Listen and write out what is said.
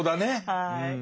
はい。